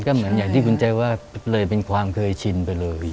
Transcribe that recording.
ก็เหมือนอย่างที่คุณใจว่าเลยเป็นความเคยชินไปเลย